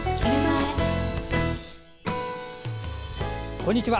こんにちは。